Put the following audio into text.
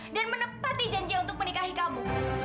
dan menepati janji untuk menikahi kamu